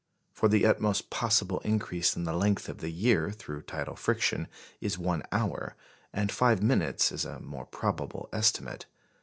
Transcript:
For the utmost possible increase in the length of the year through tidal friction is one hour; and five minutes is a more probable estimate.